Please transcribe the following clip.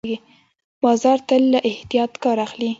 باز تل له احتیاط کار اخلي